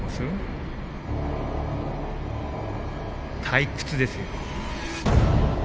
退屈ですよ。